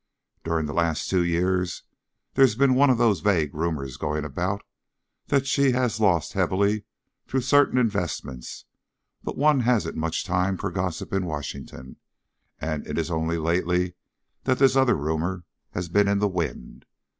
During the last two years there has been one of those vague rumours going about that she has lost heavily through certain investments; but one hasn't much time for gossip in Washington, and it is only lately that this other rumour has been in the wind.